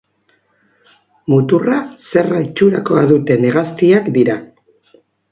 Muturra zerra itxurakoa duten hegaztiak dira.